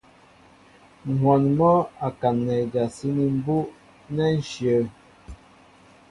Ŋ̀hwɔn mɔ́ a kaǹnɛ ijasíní mbú' nɛ́ íshyə̂.